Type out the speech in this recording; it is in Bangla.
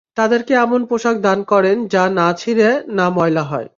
তাদেরকে এমন পোশাক দান করেন যা না ছিড়ে, না ময়লা হয়।